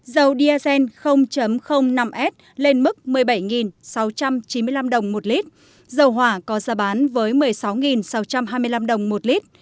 dầu diazen năm s lên mức một mươi bảy sáu trăm chín mươi năm đồng một lít dầu hỏa có giá bán với một mươi sáu sáu trăm hai mươi năm đồng một lít